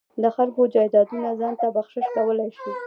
د خلکو جایدادونه ځان ته بخشش کولای شي.